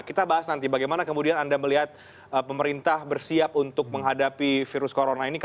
kita bahas nanti bagaimana kemudian anda melihat pemerintah bersiap untuk menghadapi virus corona ini